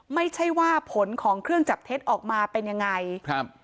ไม่ใช่ว่าผลของเครื่องจับเท็จออกมาเป็นยังไงครับ